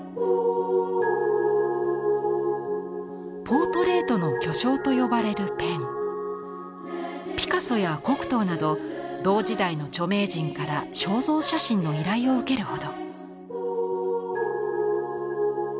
ポートレートの巨匠と呼ばれるペンピカソやコクトーなど同時代の著名人から肖像写真の依頼を受けるほど。